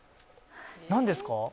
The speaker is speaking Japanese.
何ですか？